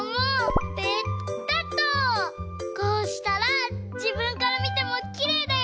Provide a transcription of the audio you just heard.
こうしたらじぶんからみてもきれいだよ。